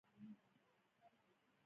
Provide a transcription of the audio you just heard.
فارموله تې واخله فارموله.